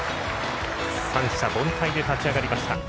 三者凡退で立ち上がりました。